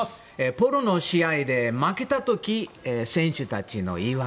ポロの試合で負けた時選手たちの言い訳。